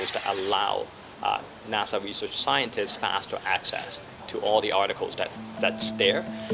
yang membolehkan penelitian nasa lebih cepat untuk mengakses semua artikel yang ada